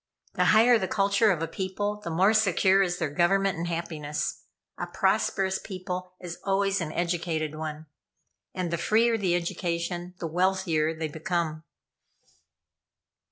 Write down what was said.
The higher the culture of a people, the more secure is their government and happiness. A prosperous people is always an educated one; and the freer the education, the wealthier they become."